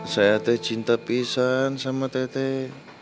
saya teh cinta pisang sama teh teh